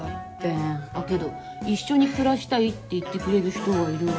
けど一緒に暮らしたいって言ってくれる人はいるわよ。